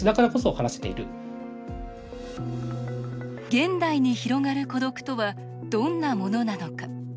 現代に広がる孤独とはどんなものなのか。